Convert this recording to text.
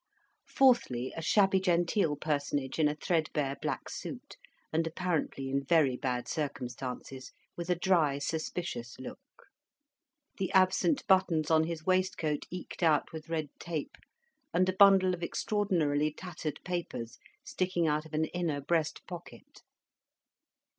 Fourthly, a shabby genteel personage in a threadbare black suit, and apparently in very bad circumstances, with a dry suspicious look; the absent buttons on his waistcoat eked out with red tape; and a bundle of extraordinarily tattered papers sticking out of an inner breast pocket.